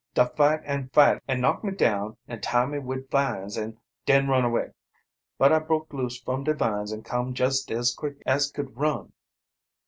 "Da fight an' fight an' knock me down an' tie me wid vines, an' den run away. But I broke loose from de vines an' cum just as quick as could run.